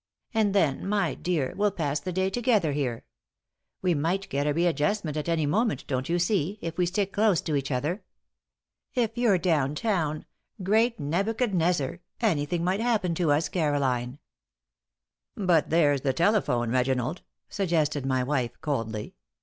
And then, my dear, we'll pass the day together here. We might get a readjustment at any moment, don't you see, if we stick close to each other. If you're down town great Nebuchadnezzar! anything might happen to us, Caroline." "But there's the telephone, Reginald," suggested my wife, coldly.